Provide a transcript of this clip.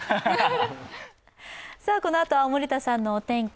このあとは森田さんのお天気。